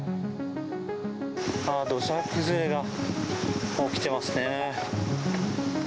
土砂崩れが起きてますね。